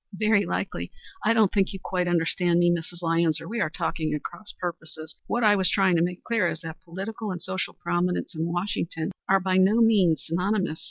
"Very likely. I don't think you quite understand me, Mrs. Lyons, or we are talking at cross purposes. What I was trying to make clear is that political and social prominence in Washington are by no means synonimous.